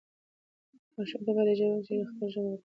ماشوم ته باید اجازه ورکړل شي چې خپله ژبه وکاروي.